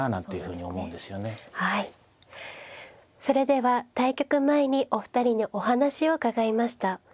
それでは対局前にお二人にお話を伺いました。